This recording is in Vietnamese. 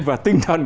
và tinh thần